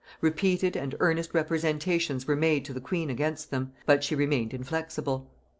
Repeated and earnest representations were made to the queen against them, but she remained inflexible.